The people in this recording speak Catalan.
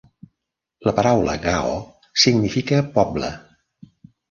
La paraula "gao" significa "poble".